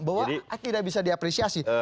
bahwa tidak bisa diapresiasi